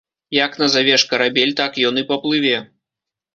Як назавеш карабель, так ён і паплыве.